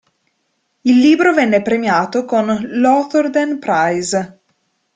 Il libro venne premiato con l'Hawthornden Prize.